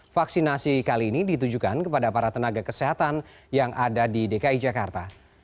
vaksinasi kali ini ditujukan kepada para tenaga kesehatan yang ada di dki jakarta